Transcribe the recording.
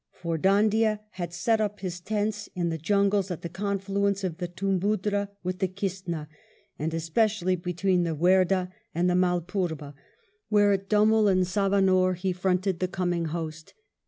For Dhoondiah had set up his tents in the* jungles at the confluence of the Toombuddra with the Kistna, and especially between the Werdah and Malpurba, where at Dummel and Savanore he fronted the coming host.